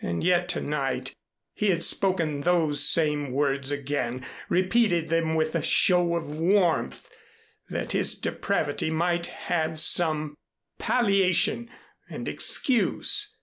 And yet to night he had spoken those same words again, repeated them with a show of warmth, that his depravity might have some palliation and excuse.